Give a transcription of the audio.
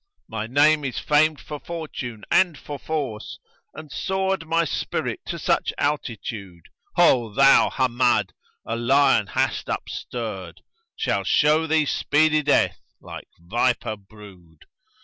My name is famed for fortune and for force, * And soared my spirit to such altitude,' Ho thou, Hammád, a lion hast upstirred, * Shall show thee speedy death like viper brood."